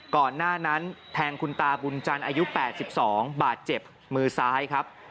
ก่อนหน้านั้นแทงคุณตาบุญจันทร์อายุ๘๒บาดเจ็บมือซ้ายครับ